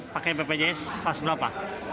pakai bpjs kelas berapa